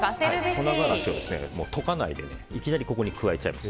粉辛子を溶かないでいきなりここに加えちゃうんです。